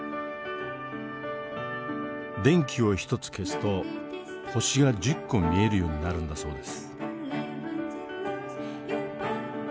電気を１つ消すと星が１０個見えるようになるんだそうです。